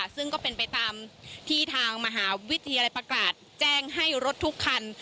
ซึ่งก็เป็นไปตามที่ทางมหาวิทยาลัยประกาศแจ้งให้รถทุกคัน